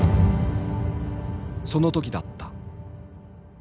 その時だった。